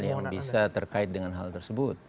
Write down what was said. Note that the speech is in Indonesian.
yang bisa terkait dengan hal tersebut